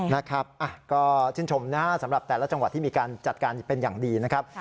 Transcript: นะครับก็ชื่นชมนะสำหรับแต่ละจังหวัดที่มีการจัดการเป็นอย่างดีนะครับ